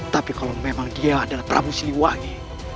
tapi kalau memang dia adalah prabu siliwangi